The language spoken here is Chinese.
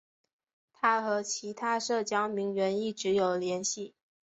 她和其他社交名媛一直有联系。